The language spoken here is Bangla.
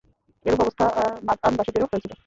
এরূপ অবস্থা মাদয়ানবাসীদেরও হয়েছিল।